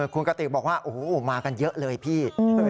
คุณกติกบอกว่าโอ้โหมากันเยอะเลยพี่